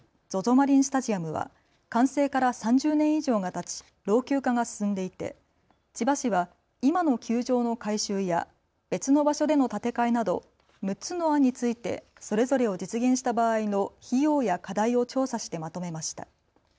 マリンスタジアムは完成から３０年以上がたち老朽化が進んでいて千葉市は今の球場の改修や別の場所での建て替えなど６つの案についてそれぞれを実現した場合の費用や課題を調査してまとめました。